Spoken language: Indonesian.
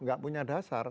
gak punya dasar